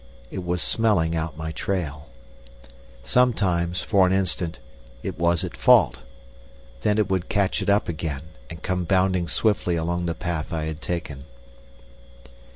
It was smelling out my trail. Sometimes, for an instant, it was at fault. Then it would catch it up again and come bounding swiftly along the path I had taken.